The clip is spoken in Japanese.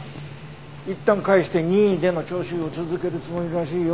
いったん帰して任意での聴取を続けるつもりらしいよ。